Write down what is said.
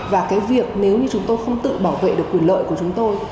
và cái việc nếu như chúng tôi không tự bảo vệ được quyền lợi của chúng tôi